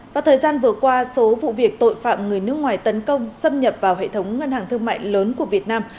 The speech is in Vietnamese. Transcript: và thời gian vừa qua số vụ việc tội phạm người nước ngoài tấn công xâm nhập vào hệ thống ngân hàng thương mại lớn của việt nam